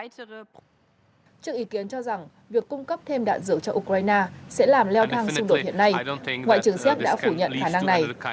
trước ý kiến cho rằng việc cung cấp thêm đạn rượu cho ukraine sẽ làm leo thang xung đột hiện nay ngoại trưởng séc đã phủ nhận khả năng này